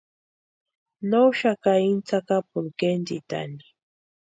No úxaka íni tsakapuni kéntitani.